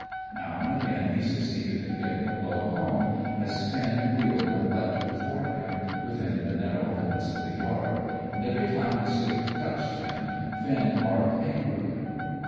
Now and again he succeeded in getting a blow home, as Finn wheeled and leapt before him within the narrow limits of the yard; and every time the stick touched him Finn barked angrily.